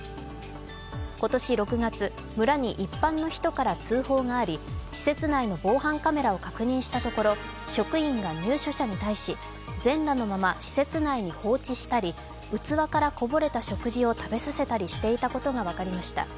今年６月、村に一般の人から通報があり、施設内の防犯カメラを確認したところ職員が入所者に対し、全裸のまま施設ないに放置したり器からこぼれた食事を食べさせたりしていたことが分かりました。